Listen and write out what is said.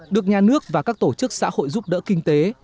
được nhà nước và các tổ chức xã hội giúp đỡ kinh tế